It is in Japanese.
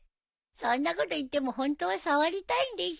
そんなこと言ってもホントは触りたいんでしょ？